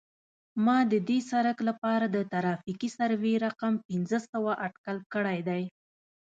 ما د دې سرک لپاره د ترافیکي سروې رقم پنځه سوه اټکل کړی دی